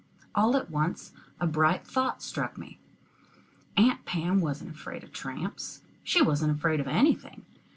All at once a bright thought struck me. Aunt Pam wasn't afraid of tramps; she wasn't afraid of anything.